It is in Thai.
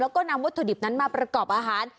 แล้วก็นำวัตถุดิบนั้นมาประกอบอาหาร